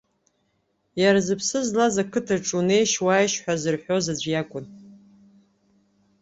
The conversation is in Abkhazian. Иара зыԥсы злаз, ақыҭаҿ унеишь-уааишь ҳәа зарҳәоз аӡә иакәын.